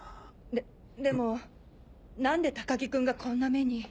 でも何で高木君がこんな目に。